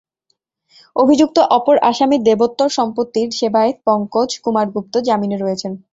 অভিযুক্ত অপর আসামি দেবোত্তর সম্পত্তির সেবায়েত পঙ্কজ কুমার গুপ্ত জামিনে রয়েছেন।